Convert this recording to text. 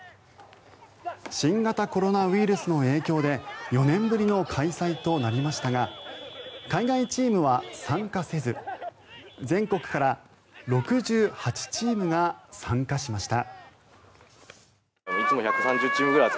新型コロナウイルスの影響で４年ぶりの開催となりましたが海外チームは参加せず、全国から６８チームが参加しました。